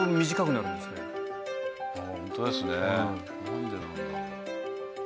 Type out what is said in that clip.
なんでなんだろう？